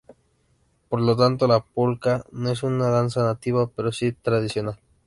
Por lo tanto la Polca no es una danza nativa pero si tradicional.